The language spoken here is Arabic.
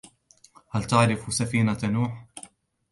هل تعرف سفينة نوح؟